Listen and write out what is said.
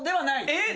えっ？